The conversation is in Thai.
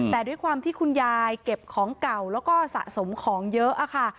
แต่ด้วยความที่คุณยายเก็บของเก่าแล้วก็สะสมของเยอะค่ะ